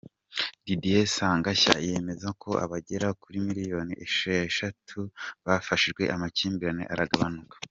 Didier Sagashya, yemeza ko abagera kuri miliyoni esheshatu bafashijwe amakimbirane aragabanuka.